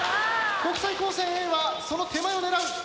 国際高専Ａはその手前を狙う。